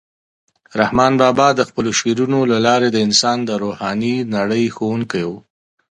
رحمان بابا د خپلو شعرونو له لارې د انسان د روحاني نړۍ ښوونکی و.